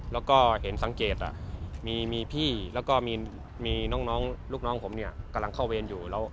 แล้วก็เห็นสังเกตมีพี่แล้วก็มีน้องลูกน้องผมเนี่ยกำลังเข้าเวรอยู่